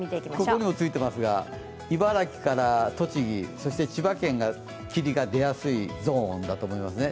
ここにもついてますが、茨城から栃木、そして千葉県が霧が出やすいゾーンだと思いますね。